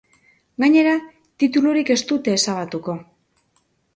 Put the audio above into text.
Gainera, titulurik ez dute ezabatuko.